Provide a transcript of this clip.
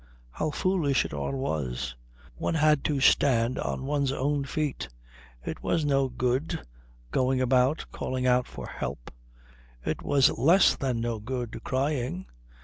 How foolish it all was! One had to stand on one's own feet. It was no good going about calling out for help. It was less than no good crying.